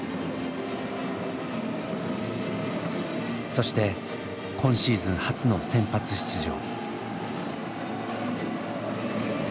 そして今シーズン初の先発出場。